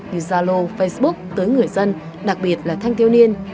như zalo facebook tới người dân đặc biệt là thanh thiếu niên